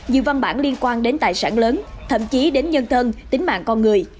nhiều văn bản liên quan đến tài sản lớn thậm chí đến nhân thân tính mạng con người